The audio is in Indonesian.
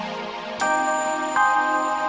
rumah evita lagi sita